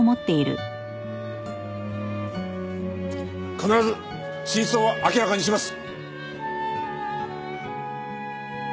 必ず真相を明らかにします。